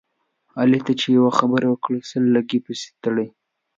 علي ته چې یوه خبره وکړې سل لکۍ پسې تړي.